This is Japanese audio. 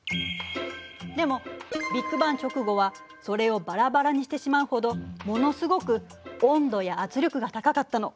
でもビッグバン直後はそれをバラバラにしてしまうほどものすごく温度や圧力が高かったの。